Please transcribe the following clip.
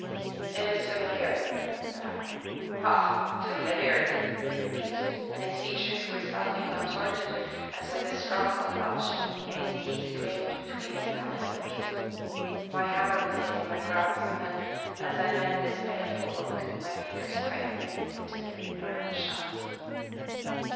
"It is familiar," said I. "Ha! familiar?" he repeated, and his features were suddenly contorted as with a strong convulsion, and his teeth gleamed between his pallid lips. My hammer was yet in my grasp, and, as I met this baleful look, my fingers tightened instinctively about the shaft.